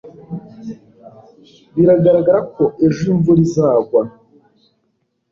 Biragaragara ko ejo imvura izagwa.